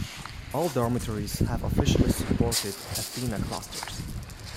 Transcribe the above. All dormitories have officially supported Athena clusters.